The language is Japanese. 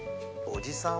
おじさん。